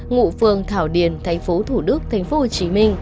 ngụ phương thảo điền tp thủ đức tp hcm